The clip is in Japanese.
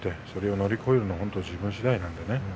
それを乗り越えるのも自分しだいです。